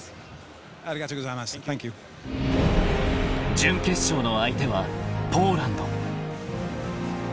［準決勝の相手はポーランド］